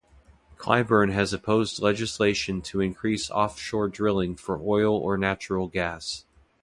Clyburn has opposed legislation to increase offshore drilling for oil or natural gas.